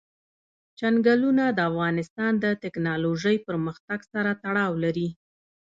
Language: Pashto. چنګلونه د افغانستان د تکنالوژۍ پرمختګ سره تړاو لري.